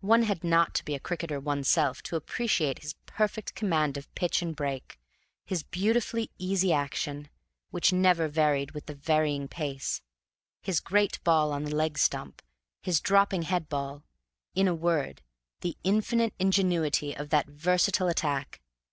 One had not to be a cricketer oneself to appreciate his perfect command of pitch and break, his beautifully easy action, which never varied with the varying pace, his great ball on the leg stump his dropping head ball in a word, the infinite ingenuity of that versatile attack.